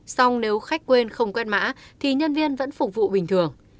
xong nếu khách quên không quét mã thì nhân viên vẫn phục vụ bình thường